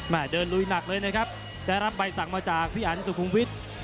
เดินลุยหนักเลยนะครับได้รับใบสั่งมาจากพี่อันสุขุมวิทย์